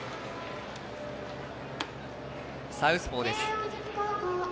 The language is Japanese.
サウスポーです。